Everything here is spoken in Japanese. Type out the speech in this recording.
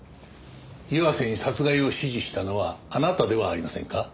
岩瀬に殺害を指示したのはあなたではありませんか？